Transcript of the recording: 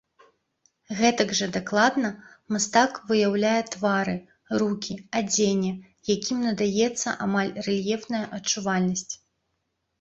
Гэтак жа дакладна мастак выяўляе твары, рукі, адзенне, якім надаецца амаль рэльефная адчувальнасць.